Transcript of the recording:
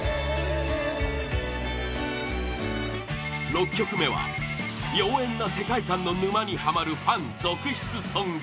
６曲目は、妖艶な世界観の沼にはまるファン続出ソング！